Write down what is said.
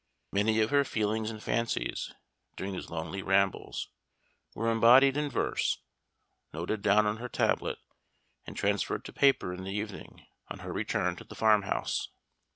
Many of her feelings and fancies, during these lonely rambles, were embodied in verse, noted down on her tablet, and transferred to paper in the evening on her return to the farmhouse.